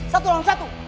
satu langsung satu